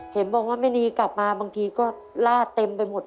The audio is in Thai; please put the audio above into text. เห็นบอกว่าแม่นีกลับมาบางทีก็ลาดเต็มไปหมด